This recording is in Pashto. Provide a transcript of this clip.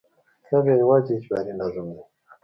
دا بیا یوازې اجباري نظم دی.